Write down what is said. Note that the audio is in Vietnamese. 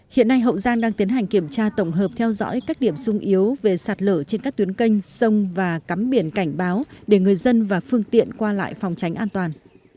hiện nay hậu giang đang tiến hành kiểm tra tổng hợp theo dõi các điểm sung yếu về sạt lở trên các tuyến canh sông và cắm biển cảnh báo để người dân và phương tiện qua lại phòng tránh an toàn